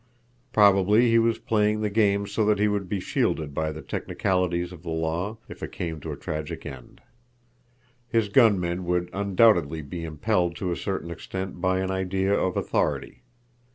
Probably he was playing the game so that he would be shielded by the technicalities of the law, if it came to a tragic end. His gunmen would undoubtedly be impelled to a certain extent by an idea of authority.